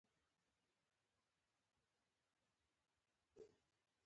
ډېر پخوا وو خلیفه د عباسیانو